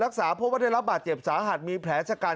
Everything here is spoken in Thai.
รักษาพวัทนีลัภบาตเจ็บสาหัสมีแผลจะกัน